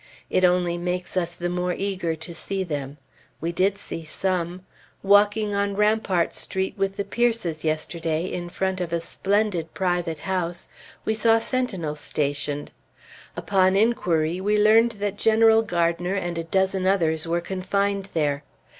It only makes us the more eager to see them. We did see some. Walking on Rampart Street with the Peirces yesterday, in front of a splendid private house, we saw sentinels stationed. Upon inquiry we learned that General Gardiner and a dozen others were confined there.